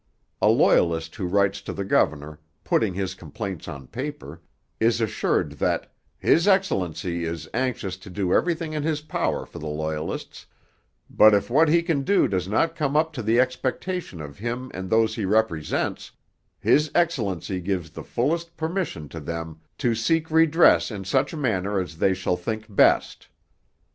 A Loyalist who writes to the governor, putting his complaints on paper, is assured that 'His Excellency is anxious to do everything in his power for the Loyalists, but if what he can do does not come up to the expectation of him and those he represents, His Excellency gives the fullest permission to them to seek redress in such manner as they shall think best.'